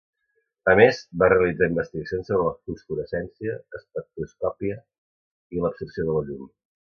A més, va realitzar investigacions sobre la fosforescència, espectroscòpia i l'absorció de la llum.